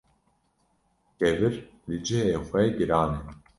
Kevir li cihê xwe giran e